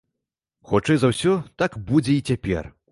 Хутчэй за ўсё, так будзе і цяпер.